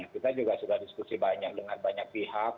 kita juga sudah diskusi banyak dengan banyak pihak